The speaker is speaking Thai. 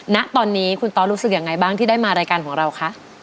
ณตอนนี้คุณตอสรู้สึกยังไงบ้างที่ได้มารายการของเราคะ